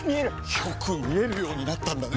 よく見えるようになったんだね！